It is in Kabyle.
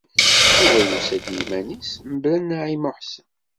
Yuba yusa-d iman-is, mebla Naɛima u Ḥsen.